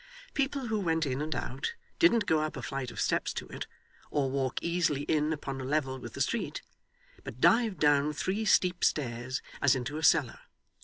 People who went in and out didn't go up a flight of steps to it, or walk easily in upon a level with the street, but dived down three steep stairs, as into a cellar.